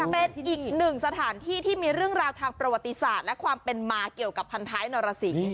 เป็นอีกหนึ่งสถานที่ที่มีเรื่องราวทางประวัติศาสตร์และความเป็นมาเกี่ยวกับพันท้ายนรสิง